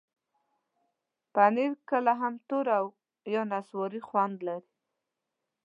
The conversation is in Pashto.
پنېر کله هم تور یا نسواري خوند لري.